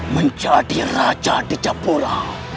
menjadi raja di japura